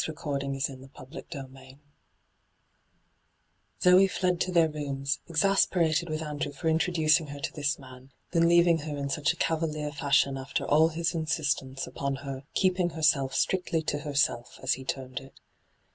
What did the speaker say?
b.Goo^lc CHAPTER XII ZoB fled to their rooma, exasperated vith Andrew for introducing her to this man, then leaving her in such a cavalier fashion after all his insistence upon her ' keeping herself sfcrietly to herself,' as he termed it.